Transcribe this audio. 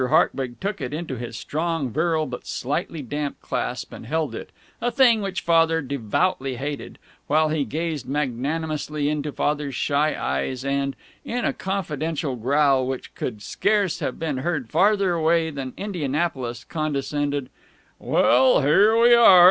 Hartwig took it into his strong, virile, but slightly damp, clasp, and held it (a thing which Father devoutly hated) while he gazed magnanimously into Father's shy eyes and, in a confidential growl which could scarce have been heard farther away than Indianapolis, condescended: "Well, here we are.